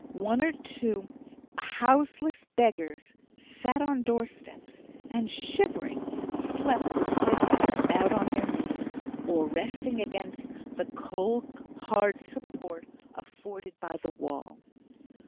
One or two houseless beggars sat on doorsteps, and, shivering, slept, with heads bowed on their knees, or resting against the cold hard support afforded by the wall.